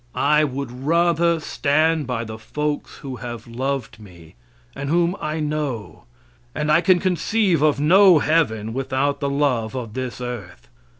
I would rather stand by the folks who have loved me and whom I know; and I can conceive of no heaven without the love of this earth.